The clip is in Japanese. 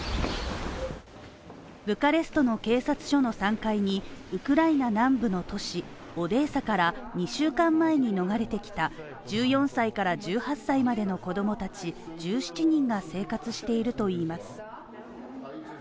ブカレストの警察署の３階にウクライナ南部の都市オデーサから２週間前に逃れてきた１４歳から１８歳までの子供たち１７人が生活しているといいます。